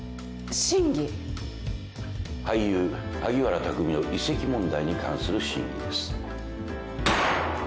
俳優萩原匠の移籍問題に関する審議です。